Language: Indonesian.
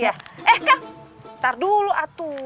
eh kang ntar dulu atu